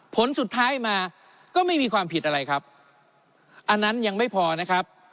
ผลสุดท้ายมาก็ไม่มีความผิดอะไรครับอันนั้นยังไม่พอนะครับ